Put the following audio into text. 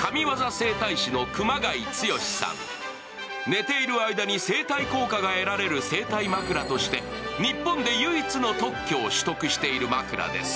寝ている間に整体効果が得られる整体枕として日本で唯一の特許を取得している枕です。